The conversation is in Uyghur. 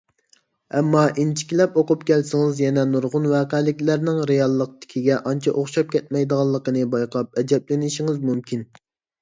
ئەمما ئىنچىكىلەپ ئوقۇپ كەلسىڭىز يەنە نۇرغۇن ۋەقەلىكلەرنىڭ رېئاللىقتىكىگە ئانچە ئوخشاپ كەتمەيدىغانلىقىنى بايقاپ ئەجەبلىنىشىڭىز مۇمكىن.